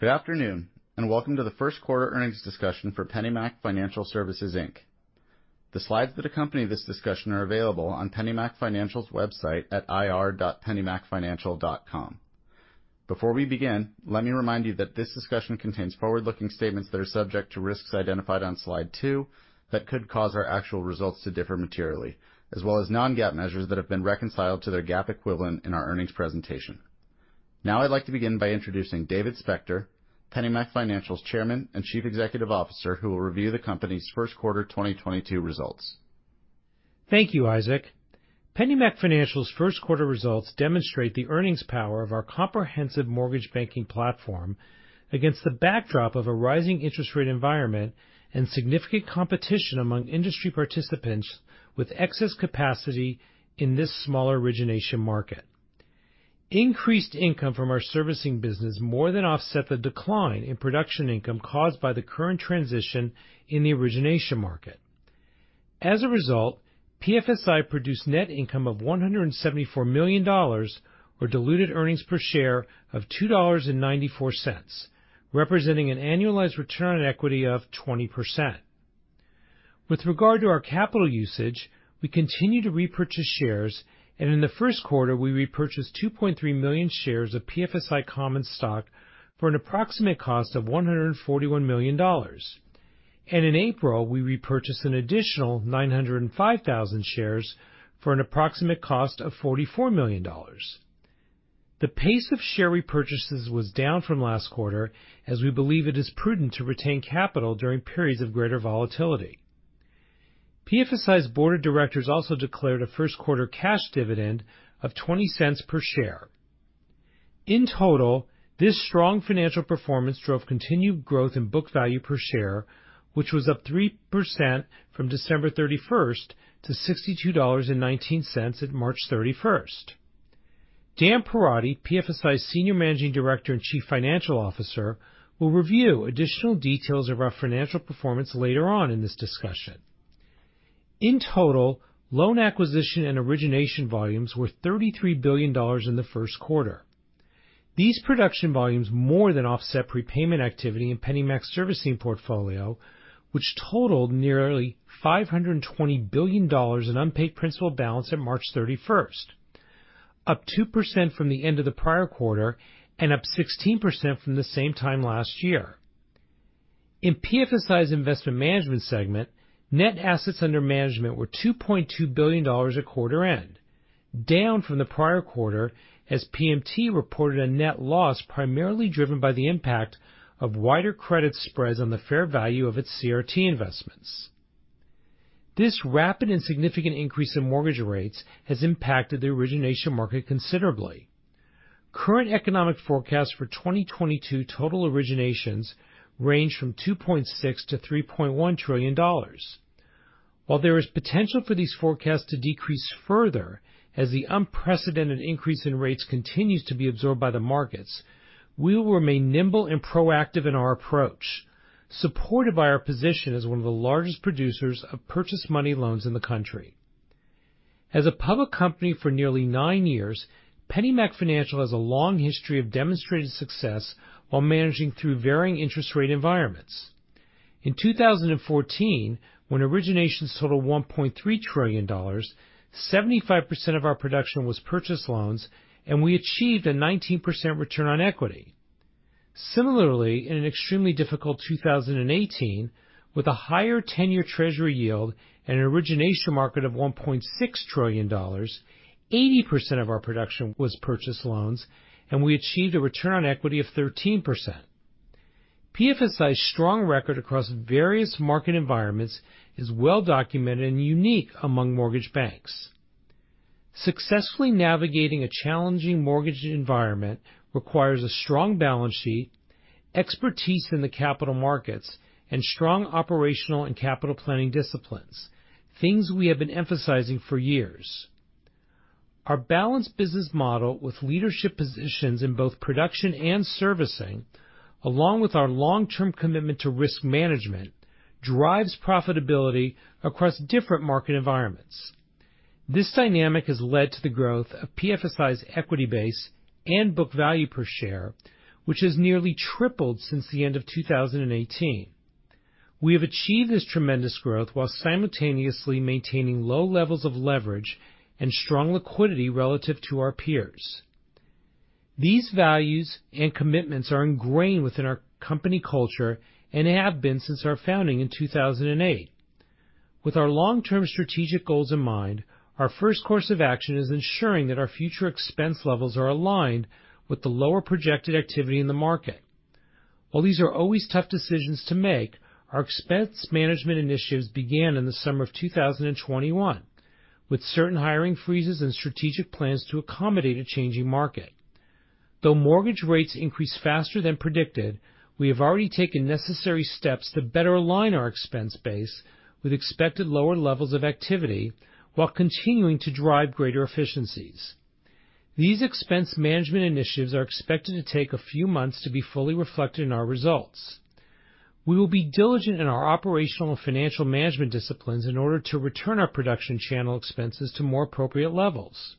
Good afternoon, and welcome to the First Quarter Earnings Discussion for PennyMac Financial Services, Inc. The slides that accompany this discussion are available on PennyMac Financial's website at ir.pennymacfinancial.com. Before we begin, let me remind you that this discussion contains forward-looking statements that are subject to risks identified on slide two that could cause our actual results to differ materially, as well as non-GAAP measures that have been reconciled to their GAAP equivalent in our earnings presentation. Now I'd like to begin by introducing David Spector, PennyMac Financial's Chairman and Chief Executive Officer, who will review the company's first quarter 2022 results. Thank you, Isaac. PennyMac Financial's first quarter results demonstrate the earnings power of our comprehensive mortgage banking platform against the backdrop of a rising interest rate environment and significant competition among industry participants with excess capacity in this smaller origination market. Increased income from our servicing business more than offset the decline in production income caused by the current transition in the origination market. As a result, PFSI produced net income of $174 million, or diluted earnings per share of $2.94, representing an annualized return on equity of 20%. With regard to our capital usage, we continue to repurchase shares, and in the first quarter, we repurchased 2.3 million shares of PFSI common stock for an approximate cost of $141 million. In April, we repurchased an additional 905,000 shares for an approximate cost of $44 million. The pace of share repurchases was down from last quarter, as we believe it is prudent to retain capital during periods of greater volatility. PFSI's Board of Directors also declared a first quarter cash dividend of $0.20 per share. In total, this strong financial performance drove continued growth in book value per share, which was up 3% from December 31st to $62.19 at March 31st. Dan Perotti, PFSI's Senior Managing Director and Chief Financial Officer, will review additional details of our financial performance later on in this discussion. In total, loan acquisition and origination volumes were $33 billion in the first quarter. These production volumes more than offset prepayment activity in PennyMac's servicing portfolio, which totaled nearly $520 billion in unpaid principal balance at March 31st, up 2% from the end of the prior quarter and up 16% from the same time last year. In PFSI's Investment Management segment, net assets under management were $2.2 billion at quarter end, down from the prior quarter as PMT reported a net loss primarily driven by the impact of wider credit spreads on the fair value of its CRT investments. This rapid and significant increase in mortgage rates has impacted the origination market considerably. Current economic forecasts for 2022 total originations range from $2.6 trillion-$3.1 trillion. While there is potential for these forecasts to decrease further as the unprecedented increase in rates continues to be absorbed by the markets, we will remain nimble and proactive in our approach, supported by our position as one of the largest producers of purchase money loans in the country. As a public company for nearly nine years, PennyMac Financial has a long history of demonstrated success while managing through varying interest rate environments. In 2014, when originations totaled $1.3 trillion, 75% of our production was purchase loans, and we achieved a 19% return on equity. Similarly, in an extremely difficult 2018, with a higher 10-year Treasury yield and an origination market of $1.6 trillion, 80% of our production was purchase loans, and we achieved a return on equity of 13%. PFSI's strong record across various market environments is well-documented and unique among mortgage banks. Successfully navigating a challenging mortgage environment requires a strong balance sheet, expertise in the capital markets, and strong operational and capital planning disciplines, things we have been emphasizing for years. Our balanced business model with leadership positions in both production and servicing, along with our long-term commitment to risk management, drives profitability across different market environments. This dynamic has led to the growth of PFSI's equity base and book value per share, which has nearly tripled since the end of 2018. We have achieved this tremendous growth while simultaneously maintaining low levels of leverage and strong liquidity relative to our peers. These values and commitments are ingrained within our company culture and have been since our founding in 2008. With our long-term strategic goals in mind, our first course of action is ensuring that our future expense levels are aligned with the lower projected activity in the market. While these are always tough decisions to make, our expense management initiatives began in the summer of 2021, with certain hiring freezes and strategic plans to accommodate a changing market. Though mortgage rates increased faster than predicted, we have already taken necessary steps to better align our expense base with expected lower levels of activity while continuing to drive greater efficiencies. These expense management initiatives are expected to take a few months to be fully reflected in our results. We will be diligent in our operational and financial management disciplines in order to return our production channel expenses to more appropriate levels.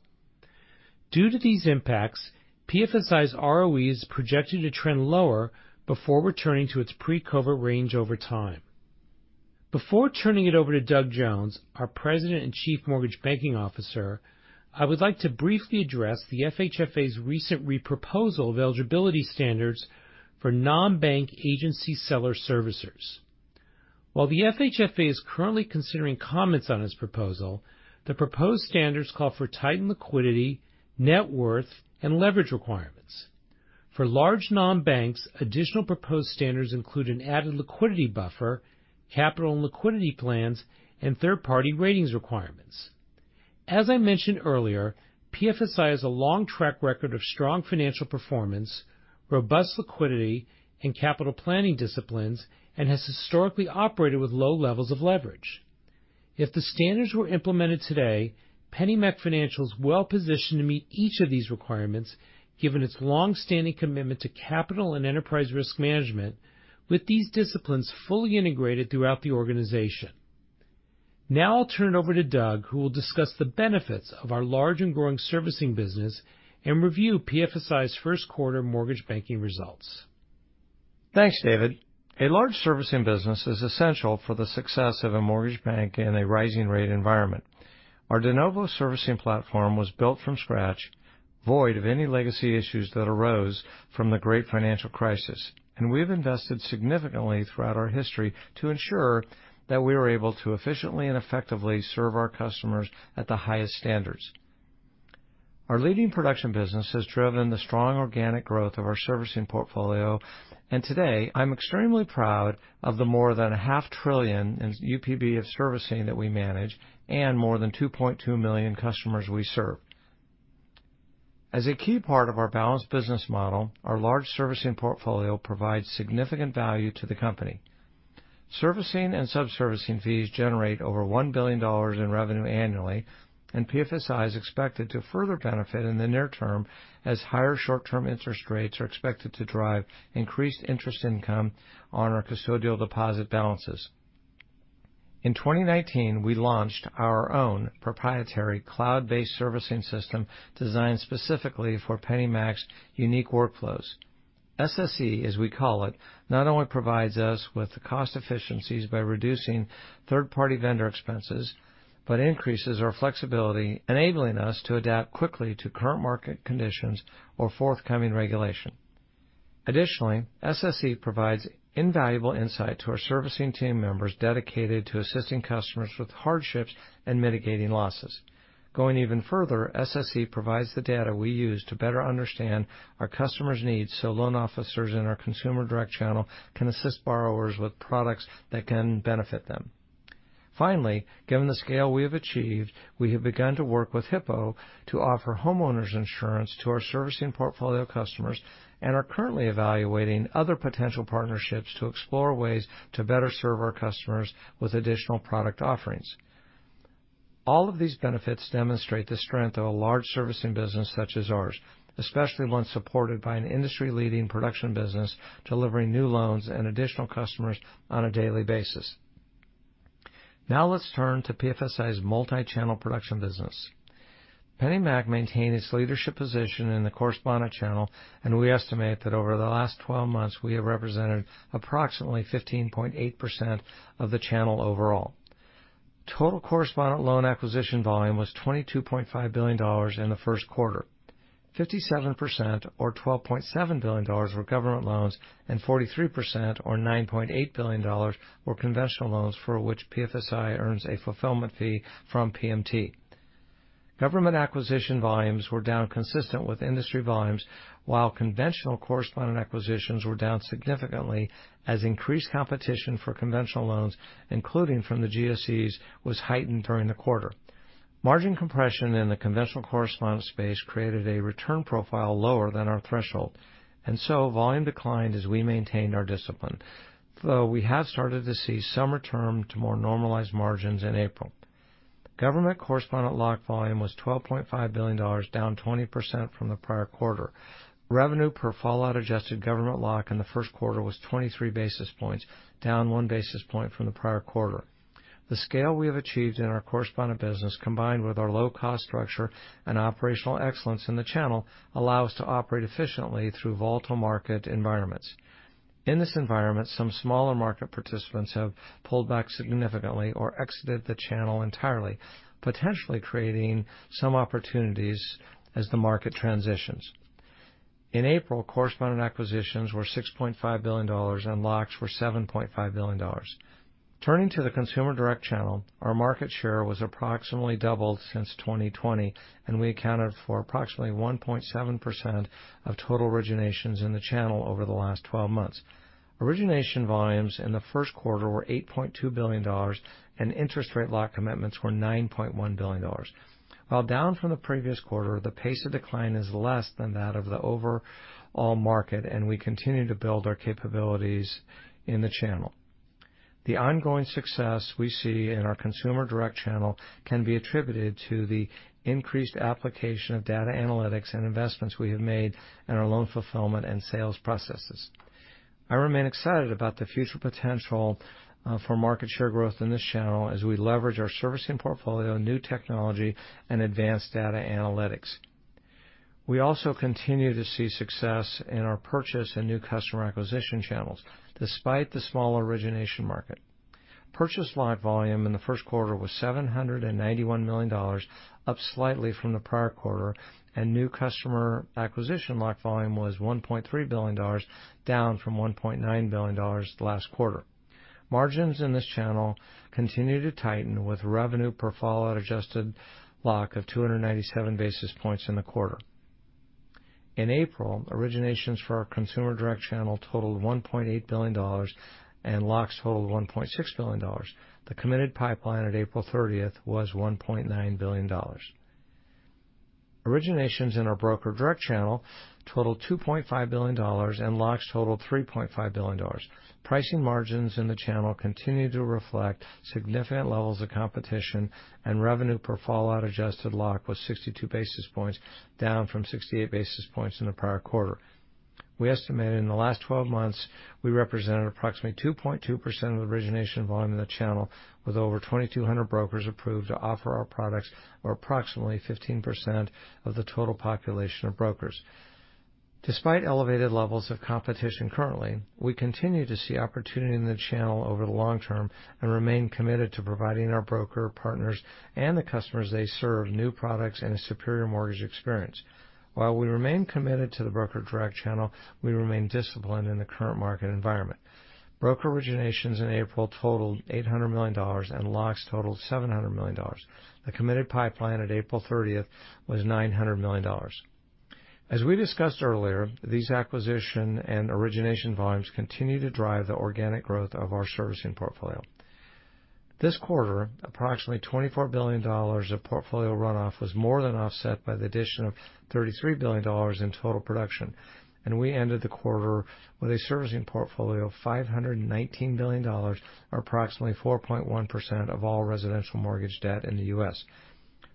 Due to these impacts, PFSI's ROE is projected to trend lower before returning to its pre-COVID range over time. Before turning it over to Doug Jones, our President and Chief Mortgage Banking Officer, I would like to briefly address the FHFA's recent re-proposal of eligibility standards for non-bank agency seller servicers. While the FHFA is currently considering comments on this proposal, the proposed standards call for tightened liquidity, net worth, and leverage requirements. For large non-banks, additional proposed standards include an added liquidity buffer, capital and liquidity plans, and third-party ratings requirements. As I mentioned earlier, PFSI has a long track record of strong financial performance, robust liquidity, and capital planning disciplines, and has historically operated with low levels of leverage. If the standards were implemented today, PennyMac Financial is well-positioned to meet each of these requirements, given its long-standing commitment to capital and enterprise risk management, with these disciplines fully integrated throughout the organization. Now I'll turn it over to Doug, who will discuss the benefits of our large and growing servicing business and review PFSI's first quarter mortgage banking results. Thanks, David. A large servicing business is essential for the success of a mortgage bank in a rising rate environment. Our de novo servicing platform was built from scratch, void of any legacy issues that arose from the great financial crisis, and we've invested significantly throughout our history to ensure that we are able to efficiently and effectively serve our customers at the highest standards. Our leading production business has driven the strong organic growth of our servicing portfolio, and today, I'm extremely proud of the more than a half trillion in UPB of servicing that we manage and more than 2.2 million customers we serve. As a key part of our balanced business model, our large servicing portfolio provides significant value to the company. Servicing and subservicing fees generate over $1 billion in revenue annually, and PFSI is expected to further benefit in the near term as higher short-term interest rates are expected to drive increased interest income on our custodial deposit balances. In 2019, we launched our own proprietary cloud-based servicing system designed specifically for PennyMac's unique workflows. SSE, as we call it, not only provides us with the cost efficiencies by reducing third-party vendor expenses, but increases our flexibility, enabling us to adapt quickly to current market conditions or forthcoming regulation. Additionally, SSE provides invaluable insight to our servicing team members dedicated to assisting customers with hardships and mitigating losses. Going even further, SSE provides the data we use to better understand our customers' needs so loan officers in our consumer direct channel can assist borrowers with products that can benefit them. Finally, given the scale we have achieved, we have begun to work with Hippo to offer homeowners insurance to our servicing portfolio customers and are currently evaluating other potential partnerships to explore ways to better serve our customers with additional product offerings. All of these benefits demonstrate the strength of a large servicing business such as ours, especially one supported by an industry-leading production business delivering new loans and additional customers on a daily basis. Now let's turn to PFSI's multi-channel production business. PennyMac maintained its leadership position in the correspondent channel, and we estimate that over the last 12 months, we have represented approximately 15.8% of the channel overall. Total correspondent loan acquisition volume was $22.5 billion in the first quarter. 57% or $12.7 billion were government loans, and 43% or $9.8 billion were conventional loans for which PFSI earns a fulfillment fee from PMT. Government acquisition volumes were down consistent with industry volumes, while conventional correspondent acquisitions were down significantly as increased competition for conventional loans, including from the GSEs, was heightened during the quarter. Margin compression in the conventional correspondent space created a return profile lower than our threshold, and so volume declined as we maintained our discipline, though we have started to see some return to more normalized margins in April. Government correspondent lock volume was $12.5 billion, down 20% from the prior quarter. Revenue per fallout adjusted government lock in the first quarter was 23 basis points, down 1 basis point from the prior quarter. The scale we have achieved in our correspondent business, combined with our low-cost structure and operational excellence in the channel, allow us to operate efficiently through volatile market environments. In this environment, some smaller market participants have pulled back significantly or exited the channel entirely, potentially creating some opportunities as the market transitions. In April, correspondent acquisitions were $6.5 billion and locks were $7.5 billion. Turning to the consumer direct channel, our market share was approximately doubled since 2020, and we accounted for approximately 1.7% of total originations in the channel over the last 12 months. Origination volumes in the first quarter were $8.2 billion, and interest rate lock commitments were $9.1 billion. While down from the previous quarter, the pace of decline is less than that of the overall market, and we continue to build our capabilities in the channel. The ongoing success we see in our consumer direct channel can be attributed to the increased application of data analytics and investments we have made in our loan fulfillment and sales processes. I remain excited about the future potential for market share growth in this channel as we leverage our servicing portfolio, new technology, and advanced data analytics. We also continue to see success in our purchase and new customer acquisition channels, despite the small origination market. Purchase lock volume in the first quarter was $791 million, up slightly from the prior quarter, and new customer acquisition lock volume was $1.3 billion, down from $1.9 billion last quarter. Margins in this channel continue to tighten, with revenue per fallout adjusted lock of 297 basis points in the quarter. In April, originations for our consumer direct channel totaled $1.8 billion, and locks totaled $1.6 billion. The committed pipeline at April 30th was $1.9 billion. Originations in our broker direct channel totaled $2.5 billion, and locks totaled $3.5 billion. Pricing margins in the channel continued to reflect significant levels of competition, and revenue per fallout adjusted lock was 62 basis points, down from 68 basis points in the prior quarter. We estimate in the last 12 months, we represented approximately 2.2% of origination volume in the channel, with over 2,200 brokers approved to offer our products, or approximately 15% of the total population of brokers. Despite elevated levels of competition currently, we continue to see opportunity in the channel over the long term and remain committed to providing our broker partners and the customers they serve new products and a superior mortgage experience. While we remain committed to the broker direct channel, we remain disciplined in the current market environment. Broker originations in April totaled $800 million, and locks totaled $700 million. The committed pipeline at April 30th was $900 million. As we discussed earlier, these acquisition and origination volumes continue to drive the organic growth of our servicing portfolio. This quarter, approximately $24 billion of portfolio runoff was more than offset by the addition of $33 billion in total production, and we ended the quarter with a servicing portfolio of $519 billion, or approximately 4.1% of all residential mortgage debt in the U.S.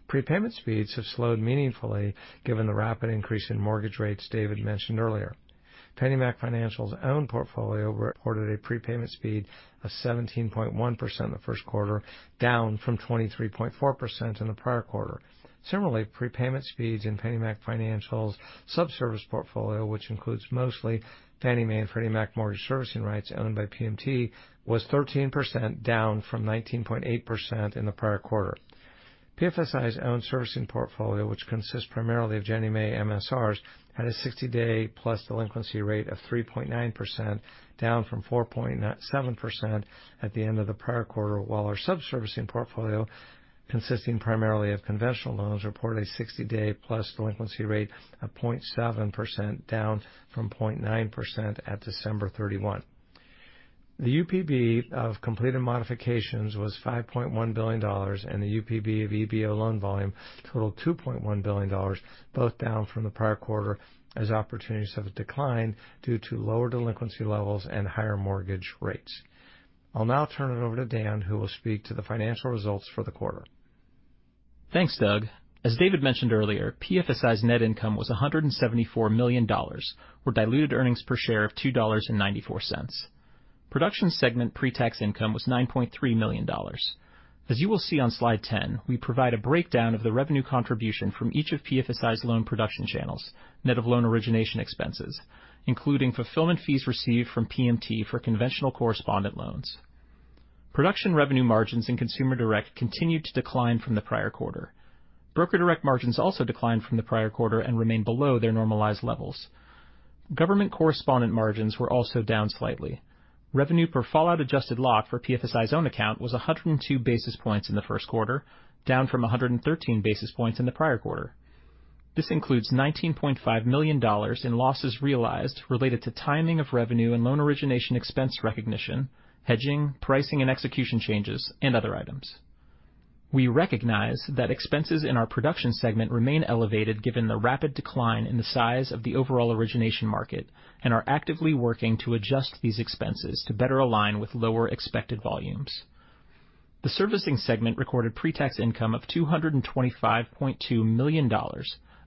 Prepayment speeds have slowed meaningfully given the rapid increase in mortgage rates David mentioned earlier. PennyMac Financial's own portfolio reported a prepayment speed of 17.1% in the first quarter, down from 23.4% in the prior quarter. Similarly, prepayment speeds in PennyMac Financial's subservice portfolio, which includes mostly Fannie Mae and Freddie Mac mortgage servicing rights owned by PMT, was 13%, down from 19.8% in the prior quarter. PFSI's own servicing portfolio, which consists primarily of Ginnie Mae MSRs, had a 60-day plus delinquency rate of 3.9%, down from 4.7% at the end of the prior quarter. While our sub-servicing portfolio, consisting primarily of conventional loans, reported a 60-day plus delinquency rate of 0.7%, down from 0.9% at December 31. The UPB of completed modifications was $5.1 billion, and the UPB of EBO loan volume totaled $2.1 billion, both down from the prior quarter as opportunities have declined due to lower delinquency levels and higher mortgage rates. I'll now turn it over to Dan Perotti, who will speak to the financial results for the quarter. Thanks, Doug. As David mentioned earlier, PFSI's net income was $174 million. Diluted earnings per share were $2.94. Production segment pretax income was $9.3 million. As you will see on slide 10, we provide a breakdown of the revenue contribution from each of PFSI's loan production channels, net of loan origination expenses, including fulfillment fees received from PMT for conventional correspondent loans. Production revenue margins in consumer direct continued to decline from the prior quarter. Broker direct margins also declined from the prior quarter and remain below their normalized levels. Government correspondent margins were also down slightly. Revenue per fallout adjusted lock for PFSI's own account was 102 basis points in the first quarter, down from 113 basis points in the prior quarter. This includes $19.5 million in losses realized related to timing of revenue and loan origination expense recognition, hedging, pricing and execution changes, and other items. We recognize that expenses in our production segment remain elevated given the rapid decline in the size of the overall origination market and are actively working to adjust these expenses to better align with lower expected volumes. The servicing segment recorded pretax income of $225.2 million,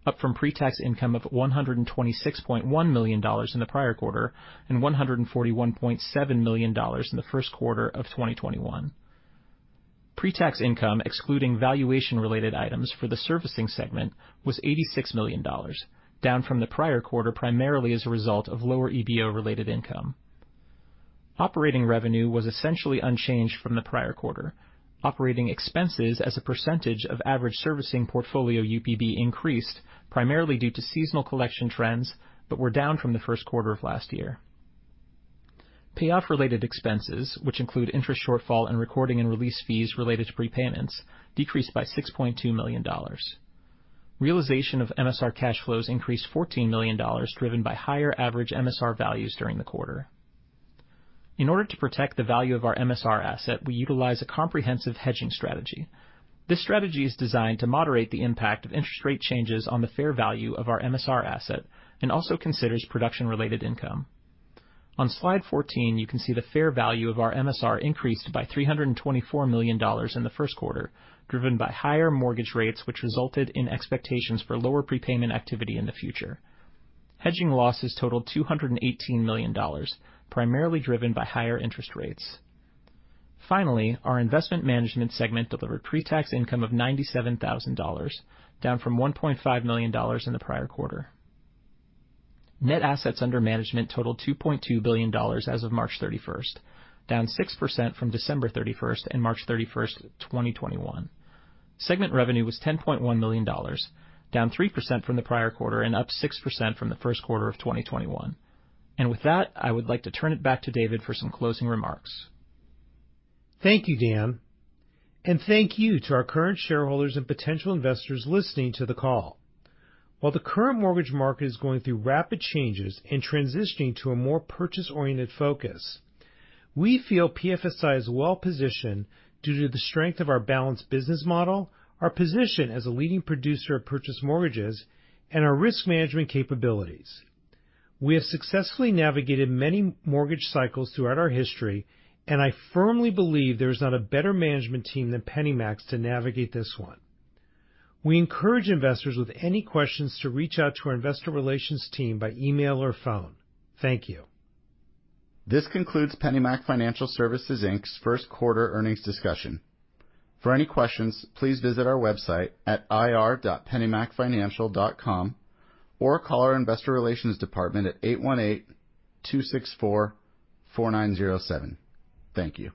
up from pretax income of $126.1 million in the prior quarter and $141.7 million in the first quarter of 2021. Pretax income, excluding valuation related items for the servicing segment, was $86 million, down from the prior quarter, primarily as a result of lower EBO-related income. Operating revenue was essentially unchanged from the prior quarter. Operating expenses as a percentage of average servicing portfolio UPB increased primarily due to seasonal collection trends, but were down from the first quarter of last year. Payoff-related expenses, which include interest shortfall and recording and release fees related to prepayments, decreased by $6.2 million. Realization of MSR cash flows increased $14 million, driven by higher average MSR values during the quarter. In order to protect the value of our MSR asset, we utilize a comprehensive hedging strategy. This strategy is designed to moderate the impact of interest rate changes on the fair value of our MSR asset and also considers production-related income. On slide 14, you can see the fair value of our MSR increased by $324 million in the first quarter, driven by higher mortgage rates, which resulted in expectations for lower prepayment activity in the future. Hedging losses totaled $218 million, primarily driven by higher interest rates. Finally, our investment management segment delivered pretax income of $97,000, down from $1.5 million in the prior quarter. Net assets under management totaled $2.2 billion as of March 31st, down 6% from December 31st and March 31st, 2021. Segment revenue was $10.1 million, down 3% from the prior quarter and up 6% from the first quarter of 2021. With that, I would like to turn it back to David for some closing remarks. Thank you, Dan, and thank you to our current shareholders and potential investors listening to the call. While the current mortgage market is going through rapid changes and transitioning to a more purchase-oriented focus, we feel PFSI is well-positioned due to the strength of our balanced business model, our position as a leading producer of purchase mortgages, and our risk management capabilities. We have successfully navigated many mortgage cycles throughout our history, and I firmly believe there is not a better management team than PennyMac's to navigate this one. We encourage investors with any questions to reach out to our investor relations team by email or phone. Thank you. This concludes PennyMac Financial Services, Inc.'s first quarter earnings discussion. For any questions, please visit our website at ir.pennymacfinancial.com, or call our investor relations department at 818-264-4907. Thank you.